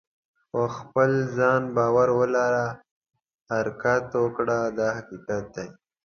په خپل ځان باور ولره حرکت وکړه دا حقیقت دی.